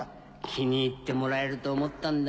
気に入ってもらえると思ったんだがね。